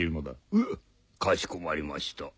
うっかしこまりました。